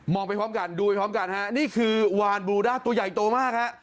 มองไปพร้อมกันดูไปพร้อมกันครับนี่คือวานบูรูดาตัวใหญ่โตมากครับ